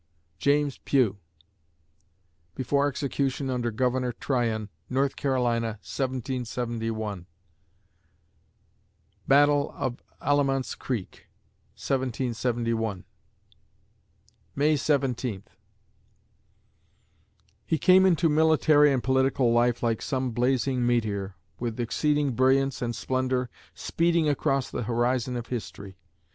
JAMES PUGH (Before execution under Gov. Tryon, North Carolina, 1771) Battle of Alamance Creek, 1771 May Seventeenth He came into military and political life like some blazing meteor, with exceeding brilliance and splendor speeding across the horizon of history.